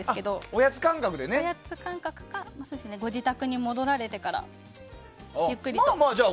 おやつ感覚かご自宅に戻られてからゆっくりと。